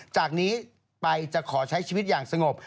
จากนี้ไปจะขอใช้ชีวิตอย่างสงบ